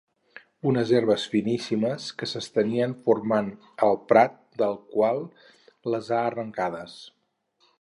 Unes herbes finíssimes que s'estenien formant el prat del qual les ha arrencades.